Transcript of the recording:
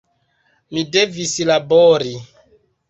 Mi devis labori.